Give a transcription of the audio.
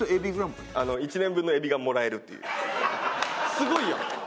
すごいやん！